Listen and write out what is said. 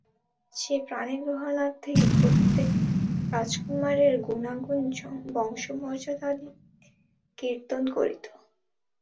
সে পাণিগ্রহণার্থী প্রত্যেক রাজকুমারের গুণাগুণ বংশমর্যাদাদি কীর্তন করিত।